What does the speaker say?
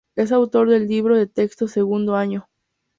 Es autor del libro de texto "Segundo año".